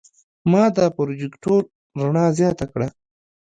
ما د پروجیکتور رڼا زیاته کړه.